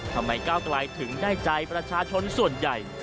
ทำไมก้าวไกลถึงได้ใจประชาชนส่วนใหญ่